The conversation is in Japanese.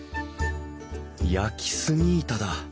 焼き杉板だ。